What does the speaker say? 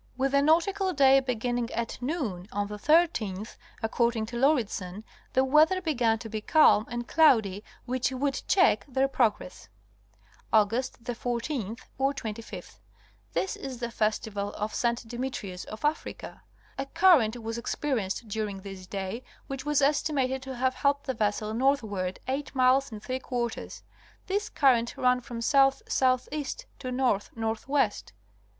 With the nautical day beginning at noon on the 13th according to Lauridsen the weather began to be calm and cloudy which would check their progress. Aug. 14/25. This is the festival of Saint Demetrius of Africa. A current was experienced during this day which was estimated to have helped the vessel northward eight miles and three quarters. This current ran from south southeast to north northwest.